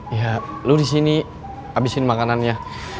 ya lo di sini abisin makanannya